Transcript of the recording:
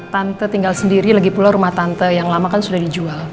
tante tinggal sendiri lagi pula rumah tante yang lama kan sudah dijual